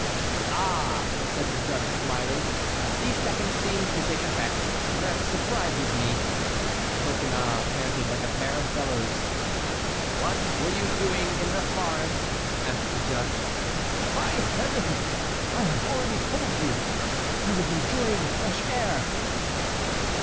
"Ah!" said the judge, smiling, "the second seems to take effect; that surprises me." Coconnas panted like a pair of bellows. "What were you doing in the forest?" asked the judge. "By Heaven! I have already told you. I was enjoying the fresh air."